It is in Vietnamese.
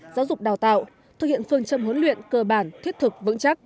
giáo dục đào tạo thực hiện phương châm huấn luyện cơ bản thiết thực vững chắc